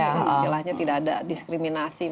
setelahnya tidak ada diskriminasi